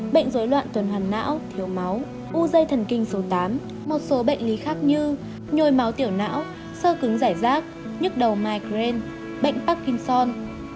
bệnh dối loạn tuần hoàn não thiếu máu u dây thần kinh số tám một số bệnh lý khác như nhồi máu tiểu não sơ cứng giải rác nhức đầu màigreen bệnh parkinson